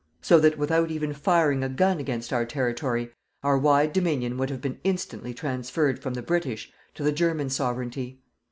So that without even firing a gun against our territory, our wide Dominion would have been instantly transferred from the British to the German Sovereignty.